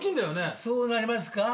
⁉そうなりますか。